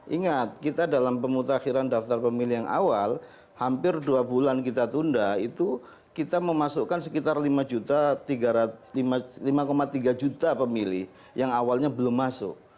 ingat kita dalam pemutakhiran daftar pemilih yang awal hampir dua bulan kita tunda itu kita memasukkan sekitar lima tiga juta pemilih yang awalnya belum masuk